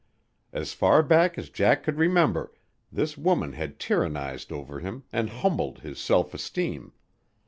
As far back as Jack could remember, this woman had tyrannized over him and humbled his self esteem.